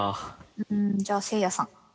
うんじゃあせいやさん。